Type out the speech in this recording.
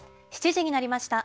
７時になりました。